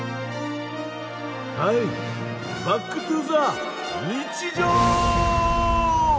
はいバックトゥーザ日常！